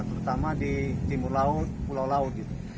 terutama di timur laut pulau laut